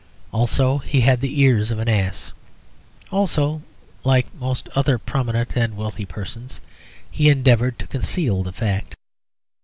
Also, he had the ears of an ass. Also (like most other prominent and wealthy persons) he endeavoured to conceal the fact.